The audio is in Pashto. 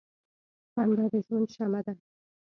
• خندا د ژوند شمع ده.